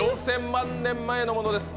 ４０００万年前のものです。